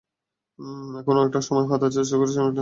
এখনো অনেকটা সময় হাতে আছে, আশা করি টাইমিংটা আরও কমাতে পারব।